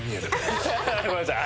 ごめんなさい。